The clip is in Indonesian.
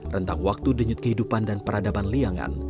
rentang waktu denyut kehidupan dan peradaban liangan